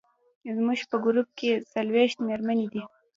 زموږ په ګروپ کې څلوېښت مېرمنې دي.